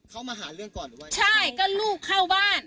เขามาหาเรื่องก่อนหรือว่าใช่ก็ลูกเข้าบ้าน